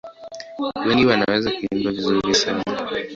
Wengi wanaweza kuimba vizuri sana.